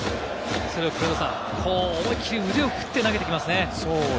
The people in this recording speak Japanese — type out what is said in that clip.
思い切り腕を振って投げてきますね。